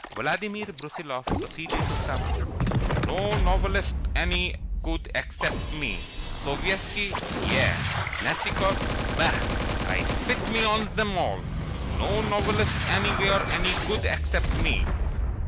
Vladimir Brusiloff proceeded to sum up. "No novelists any good except me. Sovietski yah! Nastikoff bah! I spit me of zem all. No novelists anywhere any good except me.